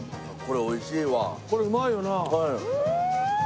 おいしい！